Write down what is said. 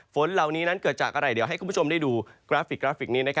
ฝนเหล่านี้นั้นเกิดจากอะไรเดี๋ยวให้คุณผู้ชมได้ดูกราฟิกกราฟิกนี้